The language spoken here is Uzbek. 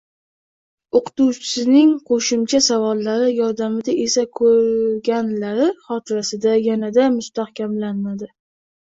O‘qituvchisining qo‘shimcha savollari yordamida esa ko‘rganlari xotirasida yanada mustahkamlanadi.